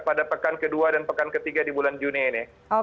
pada pekan kedua dan pekan ketiga di bulan juni ini